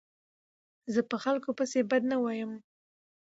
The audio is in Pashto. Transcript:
زه په خلکو پيسي بد نه وایم.